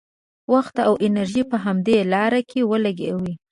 وخت او انرژي په همدې لارو کې ولګوي.